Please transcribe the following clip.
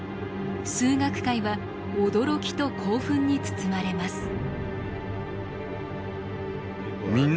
数学界は驚きと興奮に包まれます。